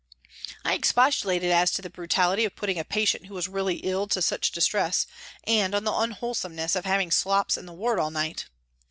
I expostulated as to the brutality of putting a patient who was really ill to such distress and on the unwholesomeness of having slops in the ward all night.